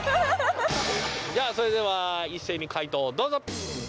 じゃあそれでは一斉に解答をどうぞ。